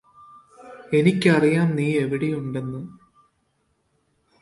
എനിക്കറിയാം നീയവിടുണ്ടെന്ന്